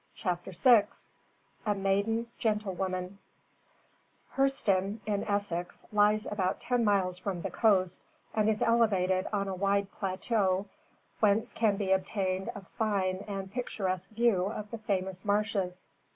CHAPTER VI A MAIDEN GENTLEWOMAN "Hurseton, in Essex, lies about ten miles from the coast, and is elevated on a wide plateau whence can be obtained a fine and picturesque view of the famous marshes.